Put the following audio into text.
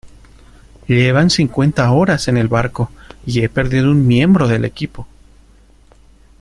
llevan cincuenta horas en el barco y he perdido un miembro del equipo.